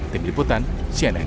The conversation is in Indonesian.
tim liputan cnn indonesia